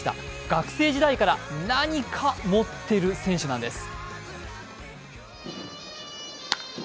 学生時代から何か持ってる選手なんです。